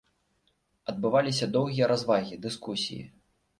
Адбываліся доўгія развагі, дыскусіі.